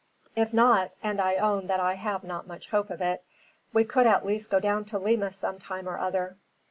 If not, and I own that I have not much hope of it, we could at least go down to Lima some time or other.